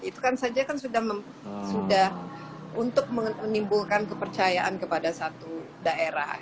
itu kan saja kan sudah untuk menimbulkan kepercayaan kepada satu daerah